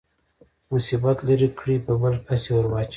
مصیبت لرې کړي په بل کس يې ورواچوي.